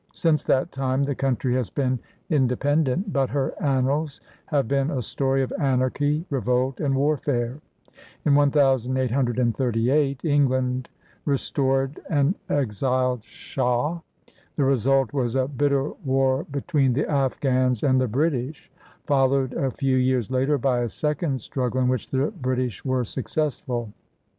Since that time the country has been independ ent, but her annals have been a story of anarchy, revolt, and warfare. In 1838, England restored an exiled shah. The result was a bitter war between the Afghans and the Brit ish, followed a few years later by a second struggle, in which the British were successful.